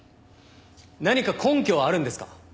何か根拠はあるんですか？